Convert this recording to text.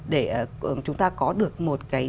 để chúng ta có được một cái